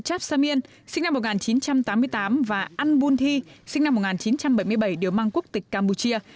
chaps samien sinh năm một nghìn chín trăm tám mươi tám và an bun thi sinh năm một nghìn chín trăm bảy mươi bảy điều mang quốc tịch campuchia